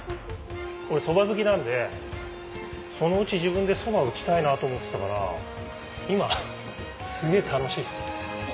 俺そば好きなんでそのうち自分でそば打ちたいなと思ってたから今すげぇ楽しい。